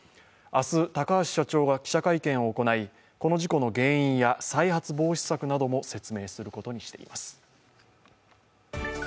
明日、高橋社長が記者会見を行い、この事故の原因や再発防止策なども説明することにしています。